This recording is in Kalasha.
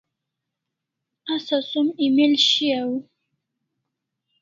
Asa som email shiau